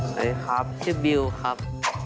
สวัสดีครับชื่อบิวครับ